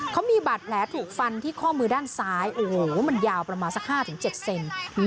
เขามีบาดแผลถูกฟันที่ข้อมือด้านซ้ายโอ้โหมันยาวประมาณสัก๕๗เซน